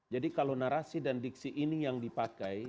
jadi kalau narasi dan diksi ini yang dipakai